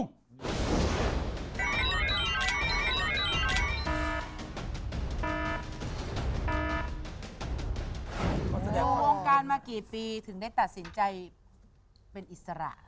โครงการมากี่ปีถึงได้ตัดสินใจเป็นอิสระ